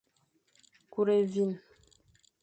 Kur évîn.